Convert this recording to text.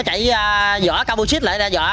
nó chạy dọa cao bùi xít lại đe dọa